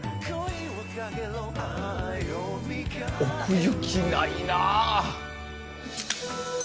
奥行き、ないな。